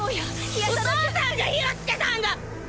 お父さんが火をつけたんだ！